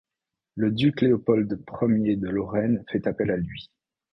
Le duc Léopold I de Lorraine fait appel à lui.